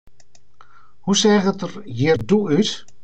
Hoe seach it der hjir doe út?